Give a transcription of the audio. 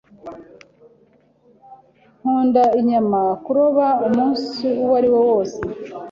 Nkunda inyama kuroba umunsi uwariwo wose.